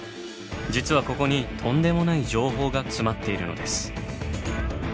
実はここにとんでもない情報が詰まっているのです。